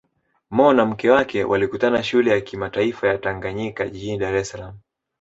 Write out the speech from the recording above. Mo na mke wake walikutana Shule ya Kimataifa ya Tanganyika jijini Dar es Salaam